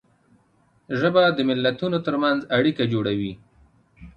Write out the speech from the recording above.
ژبه د ملتونو تر منځ اړیکه جوړوي.